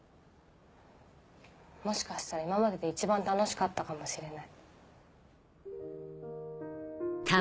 もしかしたら今までで一番楽しかったかもしれない。